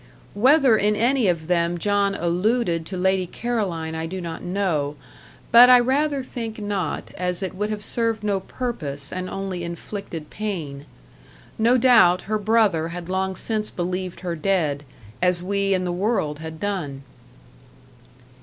Whether in any of them John alluded to Lady Caroline I do not know; but I rather think not, as it would have served no purpose and only inflicted pain. No doubt, her brother had long since believed her dead, as we and the world had done.